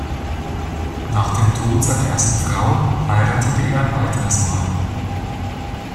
Nach dem Tod seiner ersten Frau heiratete er ein weiteres Mal.